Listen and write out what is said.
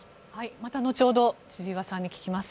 また後ほど千々岩さんに聞きます。